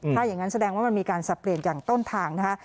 ถ้าอย่างนั้นแสดงว่ามันมีการสับเปลี่ยนอย่างต้นทางนะคะ